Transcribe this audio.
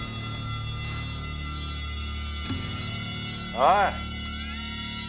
おい。